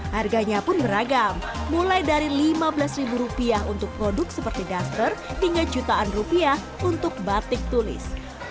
harganya pun beragam mulai dari lima belas ribu rupiah untuk produk seperti duster hingga jutaan rupiah untuk batik tulis